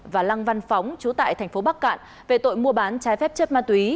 và lăng văn phóng chú tại thành phố bắc cạn về tội mua bán trái phép chất ma túy